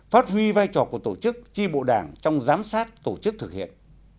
phát huy vai trò của tổ chức tri bộ đảng trong giám sát tổ chức thực hiện